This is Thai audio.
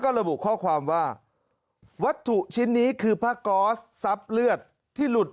ระบุข้อความว่าวัตถุชิ้นนี้คือผ้าก๊อสซับเลือดที่หลุด